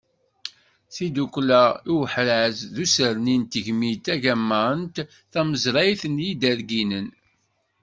Tidukla i uḥraz d usnerni n tgemmi tagamant tamezrayt n Yiderginen.